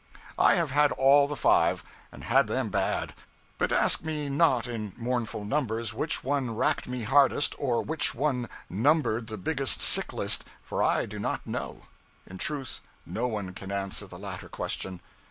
I have had all the five; and had them 'bad;' but ask me not, in mournful numbers, which one racked me hardest, or which one numbered the biggest sick list, for I do not know. In truth, no one can answer the latter question.